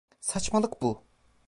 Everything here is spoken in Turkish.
Saçmalık bu!